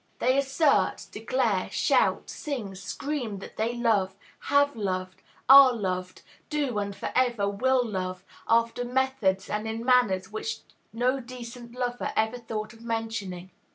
They assert, declare, shout, sing, scream that they love, have loved, are loved, do and for ever will love, after methods and in manners which no decent love ever thought of mentioning.